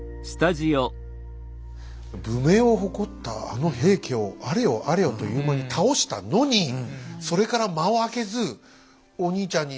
武名を誇ったあの平家をあれよあれよという間に倒したのにそれから間をあけずお兄ちゃんにそんなんされちゃったらさ